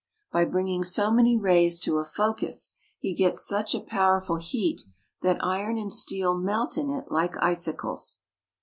By bringing so many rays to a focus he gets such a powerful heat that iron and steel melt in it like icicles.